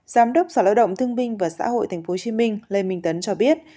giám đốc sở lao động thương binh và xã hội tp hcm lê minh tấn cho biết